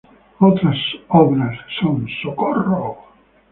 Otras obras son "Socorro!